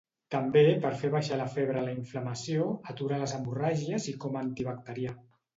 També per fer abaixar la febre la inflamació, aturar les hemorràgies i com antibacterià.